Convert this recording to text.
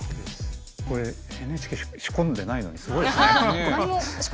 これＮＨＫ仕込んでないのにすごいですね。